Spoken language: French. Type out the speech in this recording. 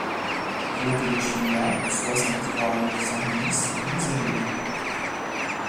Route de Chignat, soixante-trois, neuf cent dix Bouzel